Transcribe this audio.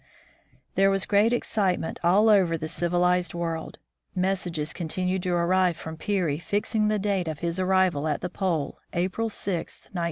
There was great excitement all over the civilized world. Messages continued to arrive from Peary fixing the date of his arrival at the Pole, April 6, 1909.